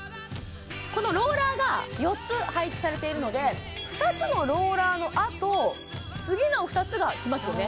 このローラーが４つ配置されているので２つのローラーのあと次の２つがきますよね